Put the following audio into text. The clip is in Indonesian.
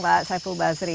pak saiful basri